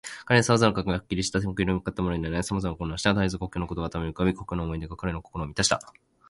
彼のさまざまな考えは、はっきりした目標に向ったままでいないで、さまざまに混乱した。たえず故郷のことが頭に浮かび、故郷の思い出が彼の心をみたした。